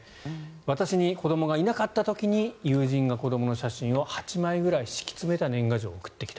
私に子どもがいなかった時に友人が子どもの写真を８枚くらい敷き詰めた年賀状を送ってきた。